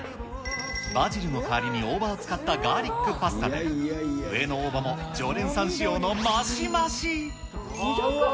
バジルの代わりに大葉を使ったガーリックパスタで、上の大葉も常連さん仕様のマシマシ。